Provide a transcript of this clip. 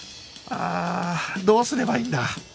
ああどうすればいいんだ？